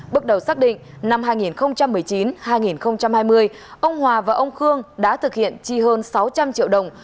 bước đầu xác định năm hai nghìn một mươi chín hai nghìn hai mươi ông hòa và ông khương đã thực hiện chi hơn sáu trăm linh triệu đồng